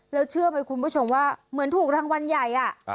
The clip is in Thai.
แล้วเชื่อไหมคุณผู้ชมว่าเหมือนถูกรางวัลใหญ่